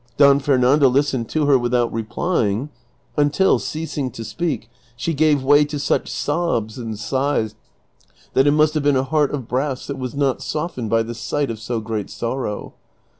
Don Fernando listened to her without replying, until, ceasing to speak, she gave way to such sobs and sighs that it must have been a heart of brass that was not softened by the sight of so great sorrow.